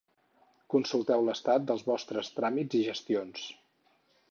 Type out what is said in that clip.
Consulteu l'estat dels vostres tràmits i gestions.